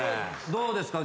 どうですか？